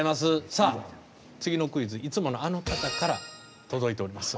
さあ次のクイズいつものあの方から届いております。